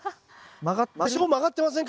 多少曲がってませんかね。